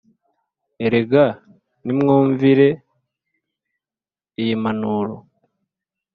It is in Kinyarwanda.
erega nimwumvire iyi mpanuro